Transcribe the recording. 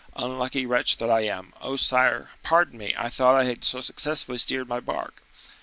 Unlucky wretch that I am! Oh! sire, pardon me! I thought I had so successfully steered my bark."